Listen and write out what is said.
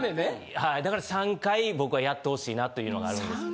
はいだから３回僕はやって欲しいなというのがあるんです。